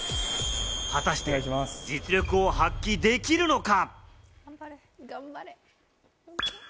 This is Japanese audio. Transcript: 果たして実力を発揮できるのか？